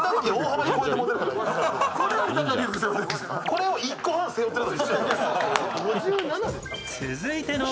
これを１個半背負ってる。